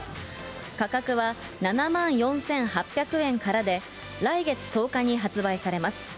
価格は７万４８００円からで、来月１０日に発売されます。